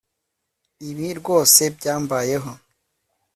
Ibi rwose byambayeho